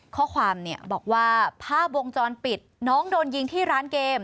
ข้อความเนี่ยบอกว่าภาพวงจรปิดน้องโดนยิงที่ร้านเกม